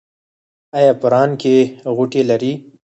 ایا په ران کې غوټې لرئ؟